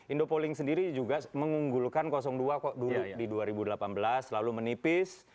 indopolink sendiri juga mengunggulkan dua kok dulu di dua ribu delapan belas lalu menipis